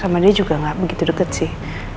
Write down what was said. sama dia juga gak begitu deket sih